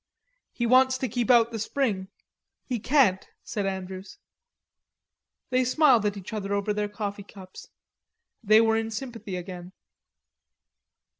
"He wants to keep out the spring. He can't," said Andrews. They smiled at each other over their coffee cups. They were in sympathy again.